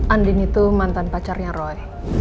andin itu mantan pacarnya roy